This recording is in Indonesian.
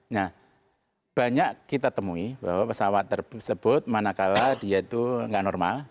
nah banyak kita temui bahwa pesawat tersebut manakala dia itu nggak normal